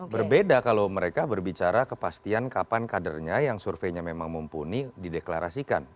berbeda kalau mereka berbicara kepastian kapan kadernya yang surveinya memang mumpuni dideklarasikan